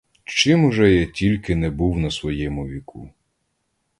Чим уже я тільки не був на своєму віку.